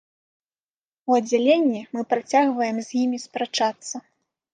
У аддзяленні мы працягваем з імі спрачацца.